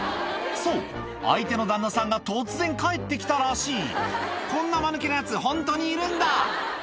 そう、相手の旦那さんが突然帰って来たらしい、こんなまぬけなやつ、本当にいるんだ。